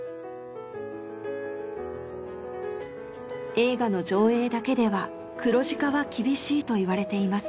映画の上映だけでは黒字化は厳しいといわれています。